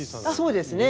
そうですね。